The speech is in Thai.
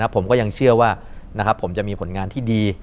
ผมก็ยังเชื่อว่าผมจะมีผลงานที่ดี